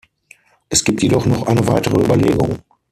Es gibt jedoch noch eine weitere Überlegung.